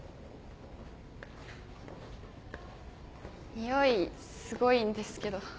においすごいんですけど。